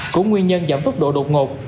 cũng nguyên nhân giảm tốc độ đột ngột